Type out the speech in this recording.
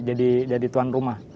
jadi tuan rumah